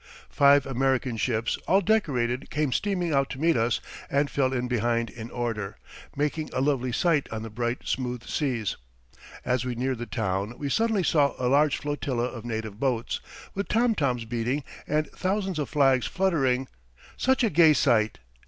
Five American ships, all decorated, came steaming out to meet us and fell in behind in order, making a lovely sight on the bright, smooth seas. As we neared the town, we suddenly saw a large flotilla of native boats, with tom toms beating and thousands of flags fluttering such a gay sight!